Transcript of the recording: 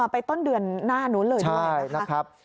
ไปต้นเดือนหน้านู้นเลยนะครับ